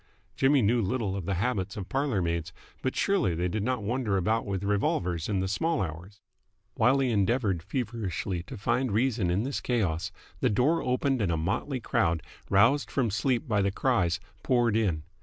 Jimmy knew little of the habits of parlour maids, but surely they did not wander about with revolvers in the small hours? While he endeavoured feverishly to find reason in this chaos, the door opened and a motley crowd, roused from sleep by the cries, poured in.